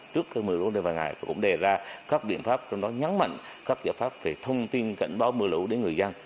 trước mưa lũ này vài ngày cũng đề ra các biện pháp trong đó nhắn mạnh các giải pháp về thông tin cảnh báo mưa lũ đến người dân